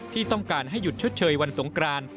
ที่ต้องการให้หยุดชดเชยวันสงกราน